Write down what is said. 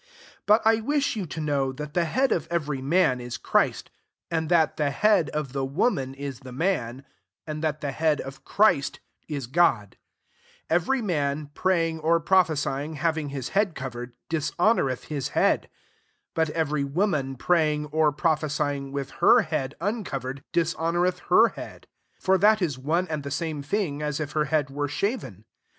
3 But I wish you to know, that the head of every man is Chrfst ; and that the head of the woman ia the man ; and that the head of Christ ia Crod. 4 Every man, praying or prophe sying having iUa head covered, dishonoureth his head. 5 But every woman, praying or pro phesying with her head uncov ered, dishonoureth^ her head: . for that is one and the same thing as if her head were shaven.